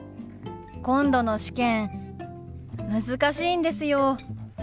今度の試験難しいんですよ。